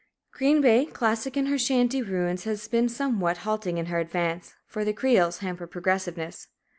Green Bay, classic in her shanty ruins, has been somewhat halting in her advance, for the creoles hamper progressiveness.